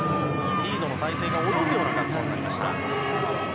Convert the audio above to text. リードの体勢が追い抜くような格好になりました。